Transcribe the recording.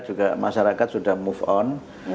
juga masyarakat sudah move on